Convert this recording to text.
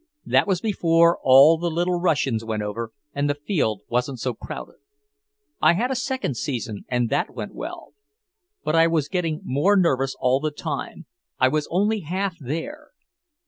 That was before all the little Russians went over, and the field wasn't so crowded. I had a second season, and that went well. But I was getting more nervous all the time; I was only half there."